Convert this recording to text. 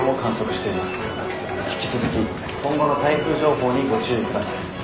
引き続き今後の台風情報にご注意ください」。